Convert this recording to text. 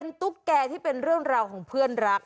เป็นตุ๊กแก่ที่เป็นเรื่องราวของเพื่อนรัก